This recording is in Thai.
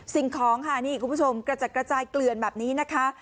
สิ่งของค่ะนี่คุณผู้ชมกระจัดกระจายเกลือนแบบนี้นะคะ